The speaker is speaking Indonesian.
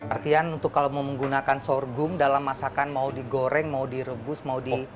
artian untuk kalau mau menggunakan sorghum dalam masakan mau digoreng mau direbus mau di